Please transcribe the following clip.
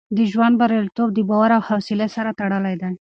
د ژوند بریالیتوب د باور او حوصله سره تړلی دی.